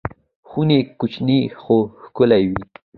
خونې کوچنۍ خو ښکلې وې.